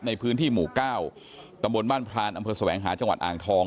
ในพื้นที่หมู่๙ตำบลบ้านพรานอำเภอแสวงหาจังหวัดอ่างทอง